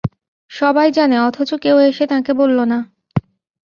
সবাই জানে, অথচ কেউ এসে তাঁকে বলল না।